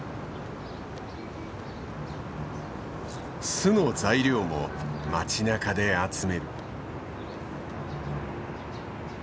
巣の材料も街なかで集める。